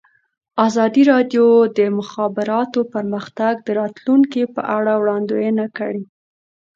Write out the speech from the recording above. ازادي راډیو د د مخابراتو پرمختګ د راتلونکې په اړه وړاندوینې کړې.